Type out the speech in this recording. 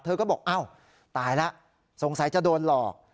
เธอก็บอกอ้าวตายแล้วสงสัยจะโดนหลอก